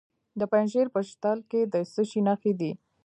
د پنجشیر په شتل کې د څه شي نښې دي؟